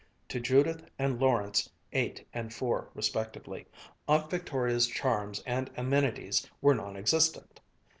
To Judith and Lawrence, eight and four respectively, Aunt Victoria's charms and amenities were non existent.